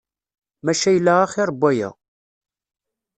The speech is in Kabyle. Maca yella axir n waya.